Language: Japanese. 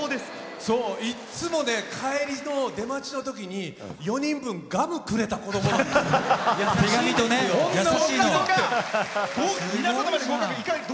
いつも帰りの出待ちのときに４人分、ガムくれた子どもなんですよ。優しいんですよ。